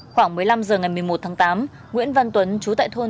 khoảng một mươi năm h ngày một mươi một tháng tám nguyễn văn tuấn chú tại thôn